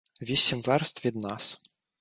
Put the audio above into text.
Вісім верст від нас.